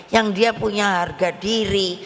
yang dia punya harga diri